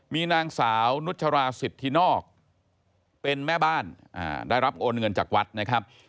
มีนางสาวนุชราสิทธินอกเป็นแม่บ้านได้รับโอนเงินจากวัดนะครับ